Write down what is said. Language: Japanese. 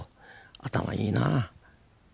頭いいなぁ。